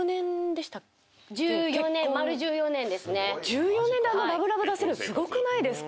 １４年であんなラブラブ出せるのすごくないですか